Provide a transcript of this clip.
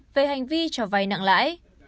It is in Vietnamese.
về hành vi trò vay nặng lãi